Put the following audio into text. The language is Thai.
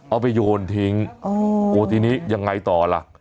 เอาไปโยนทิ้งโอ้ทีนี้ยังไงต่อล่ะ